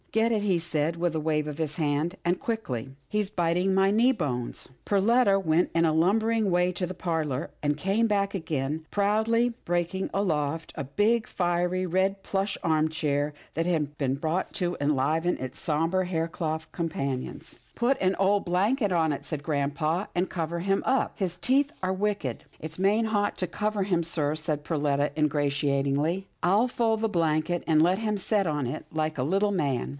" Get it," he said with a wave of his hand, " and quickly. He's biting my knee bones." Perletta went in a lumbering way to the parlour, and came back again proudly bearing aloft, a big, fiery, red plush arm chair that had been bought to enliven its sombre, haircloth companions. 112 'TILDA JANE'S ORPHANS " Put an old blanket on it," said grampa, " and cover him up. His teeth are wicked." " It's main hot to cover him, sir," said Perletta ingratiatingly. " I'll fold the blanket and let him set on it, like a little man."